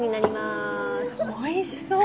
おいしそう！